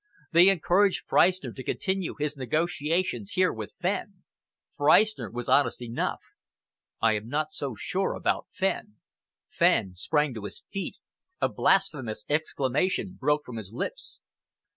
They encouraged Freistner to continue his negotiations here with Fenn. Freistner was honest enough. I am not so sure about Fenn." Fenn sprang to his feet, a blasphemous exclamation broke from his lips.